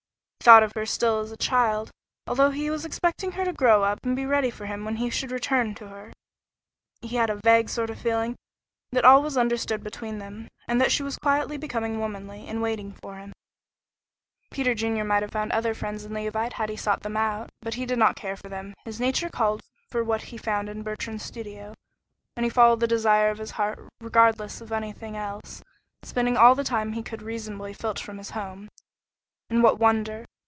He thought of her as still a child, although he was expecting her to grow up and be ready for him when he should return to her. He had a vague sort of feeling that all was understood between them, and that she was quietly becoming womanly, and waiting for him. Peter Junior might have found other friends in Leauvite had he sought them out, but he did not care for them. His nature called for what he found in Bertrand's studio, and he followed the desire of his heart regardless of anything else, spending all the time he could reasonably filch from his home. And what wonder!